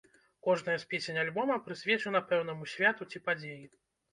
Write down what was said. Кожная з песень альбома прысвечана пэўнаму святу ці падзеі.